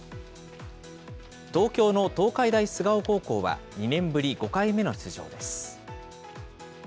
東京の東海大菅生高校は、２年ぶり５回目の出場です。